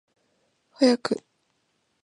早く